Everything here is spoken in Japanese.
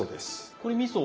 これみそは？